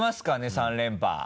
３連覇。